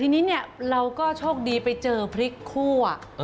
แต่ทีนี้เราก็โชคดีไปเจอพริกคั่ว